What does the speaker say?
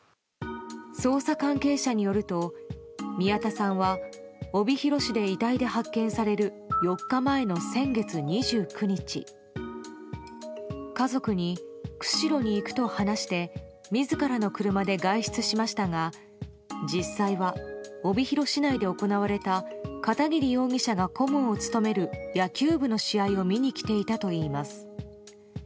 捜査関係者によると、宮田さんは帯広市で遺体で発見される４日前の先月２９日家族に釧路に行くと話して自らの車で外出しましたが実際は帯広市内で行われた片桐容疑者が顧問を務める野球部の試合を見に来ていたといいます。